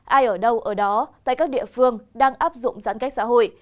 ai ở đâu ở đó tại các địa phương đang áp dụng giãn cách xã hội